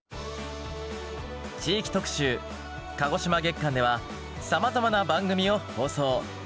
地域特集鹿児島月間ではさまざまな番組を放送。